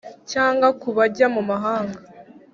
cyangwa ku bajya mu mahanga